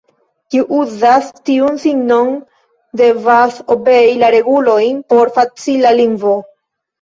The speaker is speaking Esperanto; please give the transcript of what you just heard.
Kiu uzas tiun signon, devas obei la regulojn por facila lingvo.